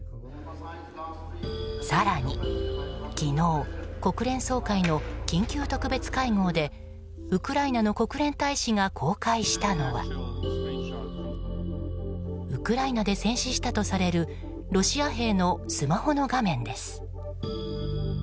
更に昨日国連総会の緊急特別会合でウクライナの国連大使が公開したのはウクライナで戦死したとされるロシア兵のスマホの画面です。